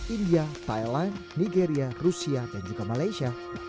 india thailand nigeria rusia dan juga malaysia